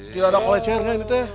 tidak ada kolecernya ini teh